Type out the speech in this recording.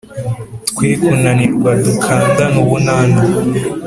Twe kunanirwa dukandane ubunana